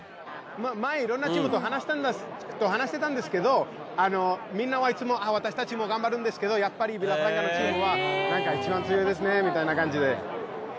前いろんなチームと話してたんですけどみんなはいつも私たちも頑張るんですけどやっぱりヴィラフランカのチームは一番強いですねみたいな感じで。